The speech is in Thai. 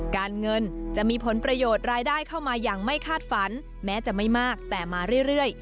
การเงินจะมีผลประโยชน์รายได้เข้ามาอย่างไม่คาดฝันแม้จะไม่มากแต่มาเรื่อย